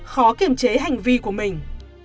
khó kiểm chế hành vi của mình